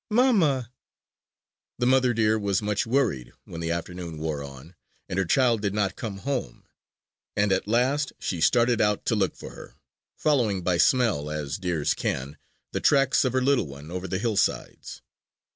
Mamma!" The mother deer was much worried when the afternoon wore on and her child did not come home; and at last she started out to look for her, following by smell, as deers can, the tracks of her little one over the hillsides.